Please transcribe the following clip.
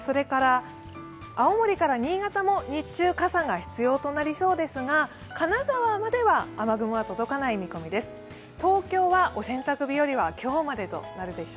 青森から新潟も日中、傘が必要となりそうですが金沢までは雨雲は届かない見込みです。